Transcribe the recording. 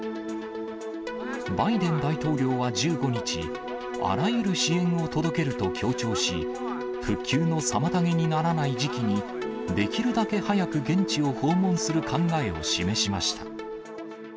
バイデン大統領は１５日、あらゆる支援を届けると強調し、復旧の妨げにならない時期に、できるだけ早く現地を訪問する考えを示しました。